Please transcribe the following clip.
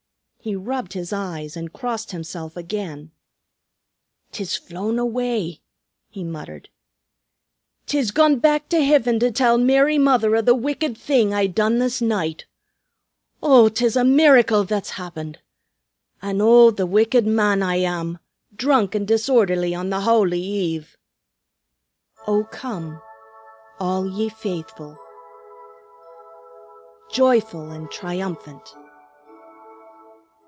He rubbed his eyes and crossed himself again. "'Tis flown away," he muttered. "'Tis gone back to Hiven to tell Mary Mither o' the wicked thing I done this night. Oh, 'tis a miracle that's happened! An' oh! The wicked man I am, drunk and disorderly on the Howly Eve!" "O come, all ye faithful, Joyful and triumphant!"